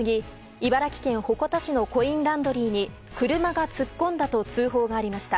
茨城県鉾田市のコインランドリーに車が突っ込んだと通報がありました。